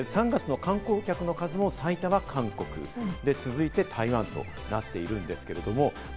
３月の観光客の数も最多は韓国、続いて台湾となっているんですけど。